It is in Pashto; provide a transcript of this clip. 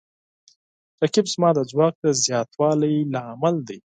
رقیب زما د ځواک د زیاتوالي لامل دی